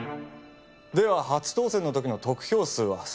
では初当選の時の得票数は？